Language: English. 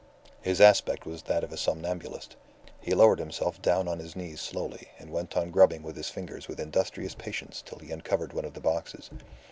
His aspect was that of a somnambulist. He lowered himself down on his knees slowly and went on grubbing with his fingers with industrious patience till he uncovered one of the boxes.